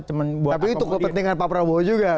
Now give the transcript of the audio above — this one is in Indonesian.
tapi itu kepentingan pak prabowo juga